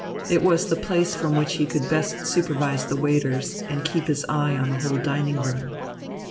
It was the place from which he could best supervise the waiters and keep his eye on the whole dining room.